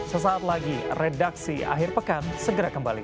sesaat lagi redaksi akhir pekan segera kembali